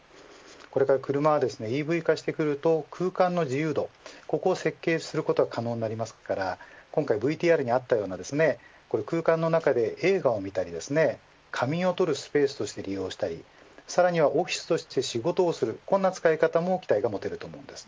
これから車はＥＶ化してくると空間の自由度、ここを設計することが可能になりますから今回、ＶＴＲにあったような空間の中で映画を見たり仮眠をとるスペースとして利用したりさらにはオフィスとして仕事をするこんな使い方も期待が持てると思います。